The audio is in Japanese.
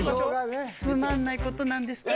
つまんないことなんですけど。